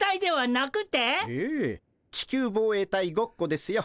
地球防衛隊ごっこですよ。